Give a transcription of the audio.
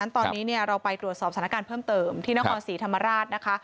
ตอนนี้เราไปตรวจสอบสถานการณ์เพิ่มเติมที่นครศรีธรรมราชนะคะ